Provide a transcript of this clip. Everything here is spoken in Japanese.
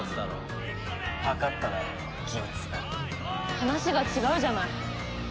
話が違うじゃない！